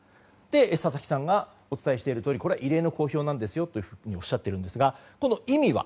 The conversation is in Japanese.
佐々木さんがお伝えしているとおりこれは異例の公表なんですとおっしゃっているんですがこの意味は？